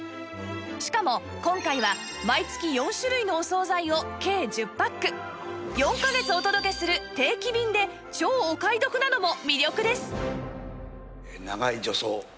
しかも今回は毎月４種類のお惣菜を計１０パック４カ月お届けする定期便で超お買い得なのも魅力です